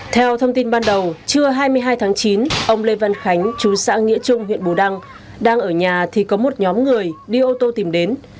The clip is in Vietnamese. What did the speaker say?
theo thông tin ban đầu trưa hai mươi hai tháng chín ông lê văn khánh chú xã nghĩa trung huyện bù đăng đang ở nhà thì có một nhóm người đi ô tô tìm đến